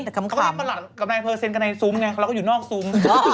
แล้วก็ทำประหลาดกับนายเพลอเซ็นกันในซุ้มไงแล้วก็อยู่นอกซุ้ม